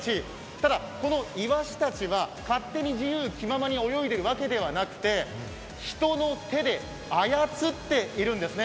ただ、このイワシたちは勝手に自由気ままに泳いでいるわけではなくて人の手で操っているんですね。